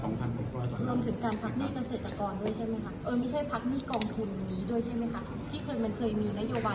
รวมถึงการพักหนี้เกษตรกรด้วยใช่ไหมคะเออไม่ใช่พักหนี้กองทุนอย่างนี้ด้วยใช่ไหมคะ